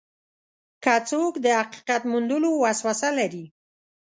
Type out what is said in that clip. که څوک د حقیقت موندلو وسوسه لري.